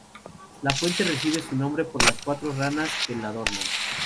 La fuente recibe su nombre por las cuatro ranas que la adornan.